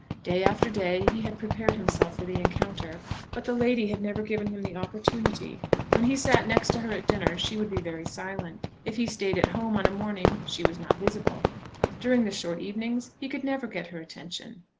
Day after day he had prepared himself for the encounter, but the lady had never given him the opportunity. When he sat next to her at dinner she would be very silent. If he stayed at home on a morning she was not visible. During the short evenings he could never get her attention.